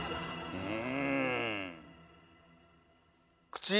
うん。